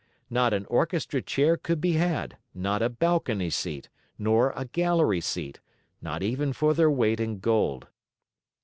Not an orchestra chair could be had, not a balcony seat, nor a gallery seat; not even for their weight in gold.